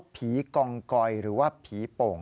กองกอยหรือว่าผีโป่ง